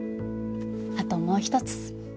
あともう一つ。